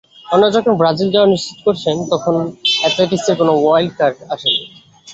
অন্যরা যখন ব্রাজিল যাওয়া নিশ্চিত করেছেন তখনো অ্যাথলেটিকসের কোনো ওয়াইল্ড কার্ড আসেনি।